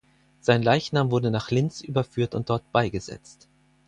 Sein Leichnam wurde nach Linz überführt und dort beigesetzt.